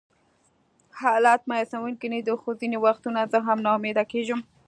حالات مایوسونکي نه دي، خو ځینې وختونه زه هم ناامیده کېږم.